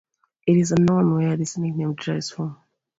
It is unknown where this nickname derives from.